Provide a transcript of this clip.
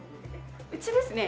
うちですね